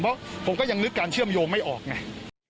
เพราะผมก็ยังนึกการเชื่อมโยงไม่ออกไง